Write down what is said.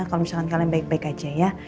kalau misalkan kalian baik baik aja ya